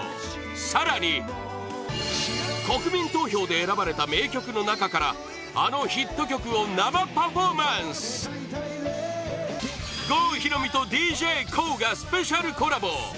更に国民投票で選ばれた名曲の中からあのヒット曲を生パフォーマンス郷ひろみとＤＪＫＯＯがスペシャルコラボ！